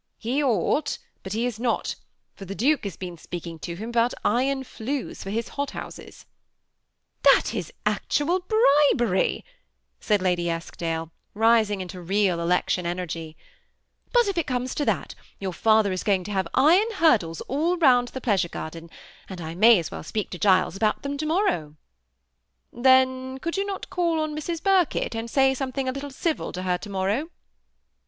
"He ought, but he is not; lor the duke has bean speaking to him about iron iiues for his hot houses/' " That is actual bribery,*' said Llidy Ediidak, rising into real election energy ;^ but, if it eomes to that, your father is going to have iron hurdles all round the pleasure ground, and I mi^ as well speak to Gilea about them to morrow." THB SEin ATTAGHED COUFLB. 261 ^ Then could 70U not call on Mrs. Birkett, and say something a little civil to her to morrow